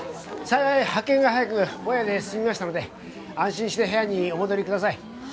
幸い発見が早くぼやで済みましたので安心して部屋にお戻りください。